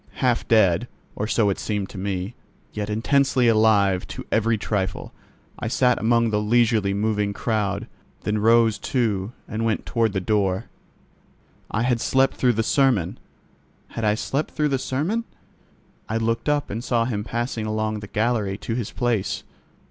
Half dead, or so it seemed to me, yet intensely alive to every trifle, I sat among the leisurely moving crowd, then rose too and went toward the door. I had slept through the sermon. Had I slept through the sermon? I looked up and saw him passing along the gallery to his place.